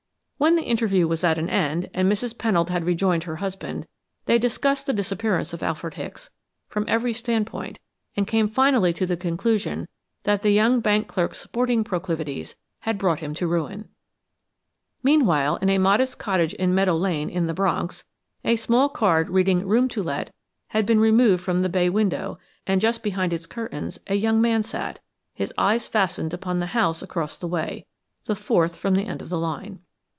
When the interview was at an end and Mrs. Pennold had rejoined her husband, they discussed the disappearance of Alfred Hicks from every standpoint and came finally to the conclusion that the young bank clerk's sporting proclivities had brought him to ruin. Meanwhile, in a modest cottage in Meadow Lane, in the Bronx, a small card reading "Room to Let" had been removed from the bay window, and just behind its curtains a young man sat, his eyes fastened upon the house across the way the fourth from the end of the line.